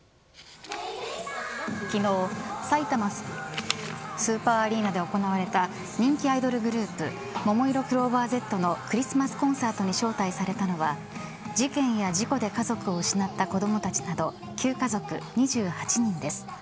昨日さいたまスーパーアリーナで行われた、人気アイドルグループももいろクローバーＺのクリスマスコンサートに招待されたのは事件や事故で家族を失った子どもたちなど９家族２８人です。